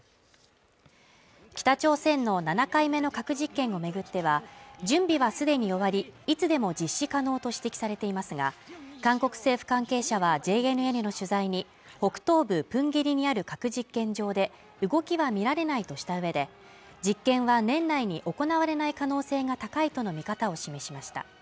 北朝鮮の７回目の核実験をめぐっては準備はすでに終わりいつでも実施可能と指摘されていますが韓国政府関係者はＪＮＮの取材に北東部プンゲリにある核実験場で動きは見られないとしたうえで実験は年内に行われない可能性が高いとの見方を示しました